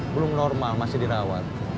belum normal masih dirawat